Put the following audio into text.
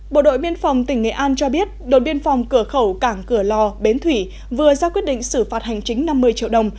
bộ đội biên phòng tỉnh nghệ an cho biết đồn biên phòng cửa khẩu cảng cửa lò bến thủy vừa ra quyết định xử phạt hành chính năm mươi triệu đồng